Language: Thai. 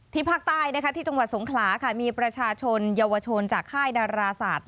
ภาคใต้ที่จังหวัดสงขลาค่ะมีประชาชนเยาวชนจากค่ายดาราศาสตร์